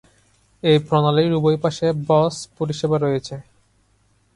এই প্রণালীর উভয় পাশে বাস পরিষেবা রয়েছে।